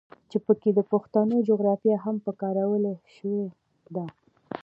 چې پکښې د پښتنو جغرافيه هم پکارولے شوې ده.